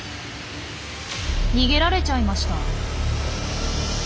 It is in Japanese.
逃げられちゃいました。